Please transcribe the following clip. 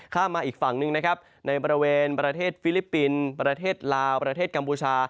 มาอีกฝั่งหนึ่งนะครับในบริเวณประเทศฟิลิปปินส์ประเทศลาวประเทศกัมพูชา